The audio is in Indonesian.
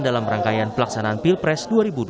dalam rangkaian pelaksanaan pilpres dua ribu dua puluh